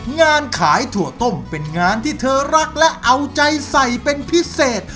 งานขายถั่วต้มเป็นงานที่เธอรักและเอาใจใส่เป็นพิเศษ